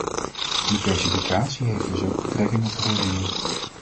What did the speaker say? Diversificatie heeft dus ook betrekking op de voorziening.